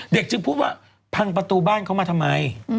จึงพูดว่าพังประตูบ้านเขามาทำไม